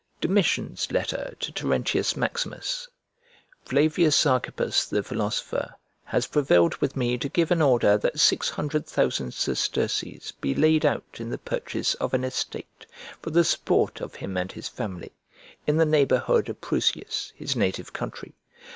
DOMITIAN'S LETTER TO TERENTIUS MAXIMUS "Flavius Archippus the philosopher has prevailed with me to give an order that six hundred thousand sesterces [1046b] be laid out in the purchase of an estate for the support of him and his family, in the neighbourhood of Prusias, [1047b] his native country.